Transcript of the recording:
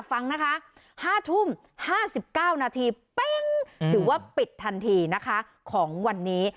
ฟังนะคะห้าทุ่มห้าสิบเก้านาทีแป๊งถือว่าปิดทันทีนะคะของวันนี้